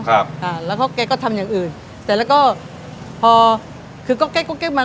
อ่าแล้วก็แกก็ทำอย่างอื่นเสร็จแล้วก็พอคือก็แก๊กก็แก๊กมา